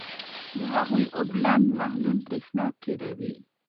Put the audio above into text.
د هغوي اوبلن محلول برېښنا تیروي.